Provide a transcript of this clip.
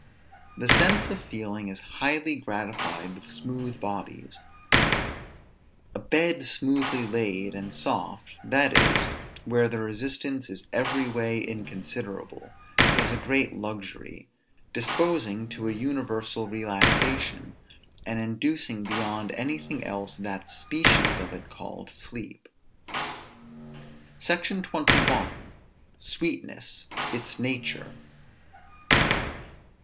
The sense of feeling is highly gratified with smooth bodies. A bed smoothly laid, and soft, that is, where the resistance is every way inconsiderable, is a great luxury, disposing to an universal relaxation, and inducing beyond anything else that species of it called sleep. SECTION XXI. SWEETNESS, ITS NATURE.